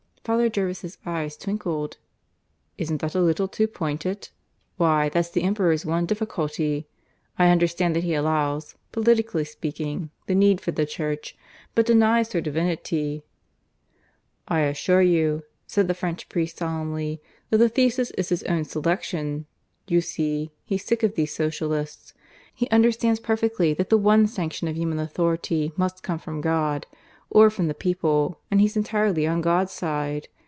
Father Jervis' eyes twinkled. "Isn't that a little too pointed? Why, that's the Emperor's one difficulty! I understand that he allows, politically speaking, the need for the Church, but denies her divinity." "I assure you," said the French priest solemnly, "that the thesis is his own selection. You see, he's sick of these Socialists. He understands perfectly that the one sanction of human authority must come from God, or from the people; and he's entirely on God's side!